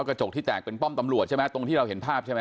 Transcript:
กระจกที่แตกเป็นป้อมตำรวจใช่ไหมตรงที่เราเห็นภาพใช่ไหม